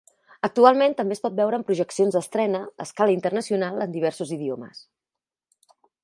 Actualment, també es pot veure en projeccions d'estrena a escala internacional en diversos idiomes.